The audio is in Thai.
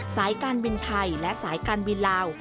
สายการบินไทยและสายการบินลาว